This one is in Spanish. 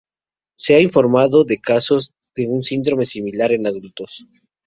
Se ha informado de casos de un síndrome similar en adultos.